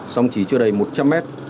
sông chỉ chưa đầy một trăm linh mét